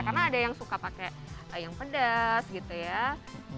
karena ada yang suka pakai yang pedas gitu ya